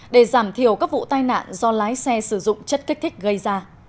để giảm thiểu các vụ tai nạn do lái xe sử dụng